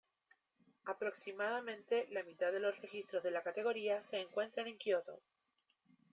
Aproximadamente la mitad de los registros de la categoría se encuentran en Kioto.